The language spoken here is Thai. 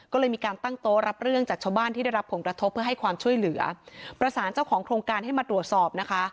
ก็เลยมีการตั้งโต๊ะรับเรื่องจากชาวบ้านที่ได้รับผลกระทบเพื่อให้ความช่วยเหลือประสานเจ้าของโครงการให้มาตรวจสอบนะคะ